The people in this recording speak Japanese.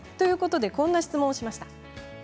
こんな質問をしました。